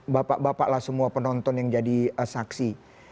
bapak bapak lah semua penonton yang jadi saksi